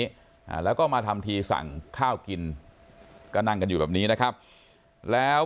อ่าแล้วก็มาทำทีสั่งข้าวกินก็นั่งกันอยู่แบบนี้นะครับแล้ว